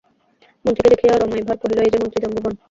মন্ত্রীকে দেখিয়া রমাই ভাঁড় কহিল, এই যে মন্ত্রী জাম্বুবান।